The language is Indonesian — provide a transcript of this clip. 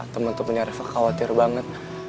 temen temennya reva khawatir banget